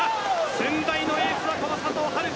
駿台のエースはこの佐藤遥斗。